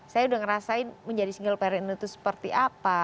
saya udah ngerasain menjadi single parent itu seperti apa